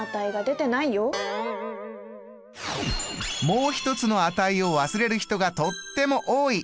もう１つの値を忘れる人がとっても多い！